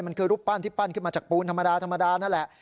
มันคือรูปปั้นที่ปั้นขึ้นมาจากปูนธรรมดาธรรมดานั่นแหละ